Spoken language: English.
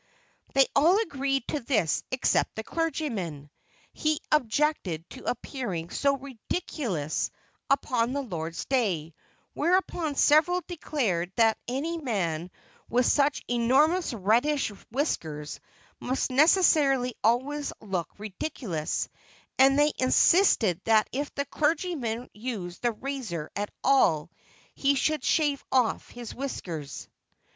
They all agreed to this except the clergyman. He objected to appearing so ridiculous upon the Lord's day, whereupon several declared that any man with such enormous reddish whiskers must necessarily always look ridiculous, and they insisted that if the clergyman used the razor at all he should shave off his whiskers.